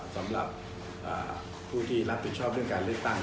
สำหรับผู้ที่รับผิดชอบเรื่องการเลือกตั้ง